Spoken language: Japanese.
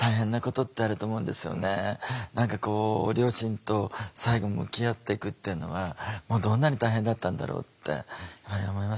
何かこう両親と最後向き合っていくっていうのはどんなに大変だったんだろうって思いますね。